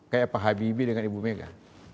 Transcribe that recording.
kayak pak habibie dengan ibu mega